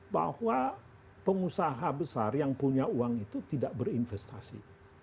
bahwa pengusaha besar yang punya uang itu tidak berinvestasi